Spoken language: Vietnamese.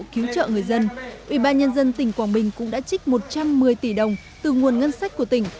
cứu trợ người dân ủy ban nhân dân tỉnh quảng bình cũng đã trích một trăm một mươi tỷ đồng từ nguồn ngân sách của tỉnh